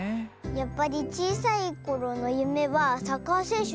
やっぱりちいさいころのゆめはサッカーせんしゅでしたか？